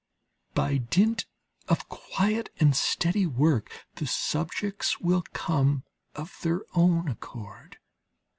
By dint of quiet and steady work, the subjects will come of their own accord.